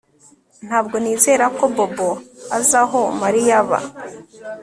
Ntabwo nizera ko Bobo azi aho Mariya aba